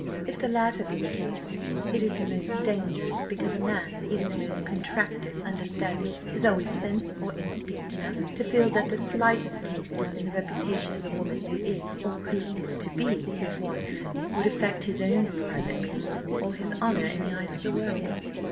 If the latter be the case, it is the most dangerous; because a man even of the most contracted understanding has always sense or instinct enough to feel that the slightest taint in the reputation of the woman who is, or who is to be, his wife, would affect his own private peace, or his honour in the eyes of the world.